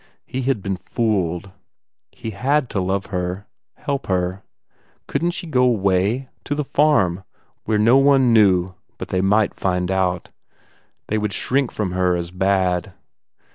He had been fooled. He had to love her, help her. Couldn t she go away? To the farm, where no one knew and But they might find out. They would shrink from her as bad.